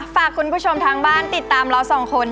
ฝากคุณผู้ชมทางบ้านติดตามเราสองคน